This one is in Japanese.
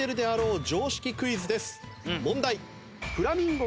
問題。